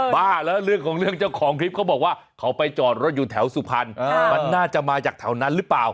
บ้าแล้วเรื่องของเรื่องเจ้าของคลิปเขาบอกว่าเขาไปจอดรถอยู่แถวสุพรรณมันน่าจะมาจากแถวนั้นหรือเปล่า